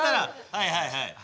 はいはいはい。